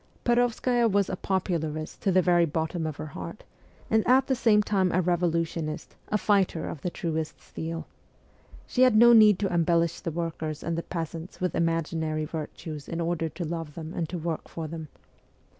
Perovskaya was a ' popularist ' to the very bottom of her heart, and at the same time a revolutionist, a fighter of the truest steel. She had no need to embel lish the workers and the peasants with imaginary virtues in order to love them and to work for them.